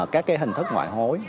các cái hình thức ngoại hối